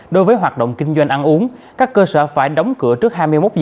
đối với hoạt động kinh doanh ăn uống các cơ sở phải đóng cửa trước hai mươi một h